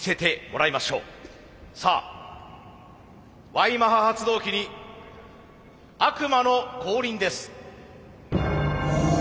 Ｙマハ発動機に悪魔の降臨です。